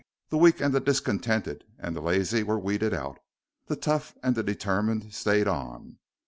The weak and the discontented and the lazy were weeded out; the tough and the determined stayed on.